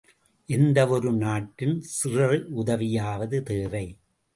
எந்தவொரு நாட்டின் சிறு உதவியாவது தேவை.